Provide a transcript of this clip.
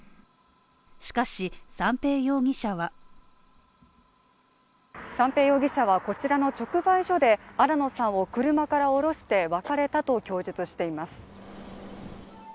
しかし、三瓶容疑者は三瓶容疑者はこちらの直売所で新野さんを車から降ろして別れたと供述しています。